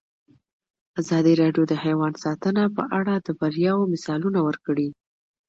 ازادي راډیو د حیوان ساتنه په اړه د بریاوو مثالونه ورکړي.